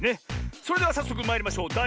それではさっそくまいりましょうだい１もん！